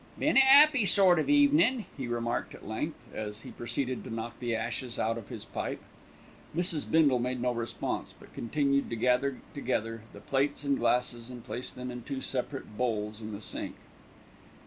"Been a 'appy sort of evenin'," he remarked at length, as he proceeded to knock the ashes out of his pipe. Mrs. Bindle made no response; but continued to gather together the plates and glasses and place them in two separate bowls in the sink.